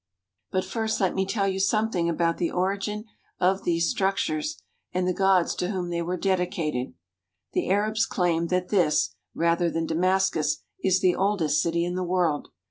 But first let me tell you something about the origin of these structures and the gods to whom they were dedi cated. The Arabs claim that this, rather than Damascus, is the oldest city in the world.